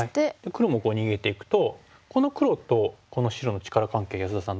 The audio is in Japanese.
黒もこう逃げていくとこの黒とこの白の力関係安田さん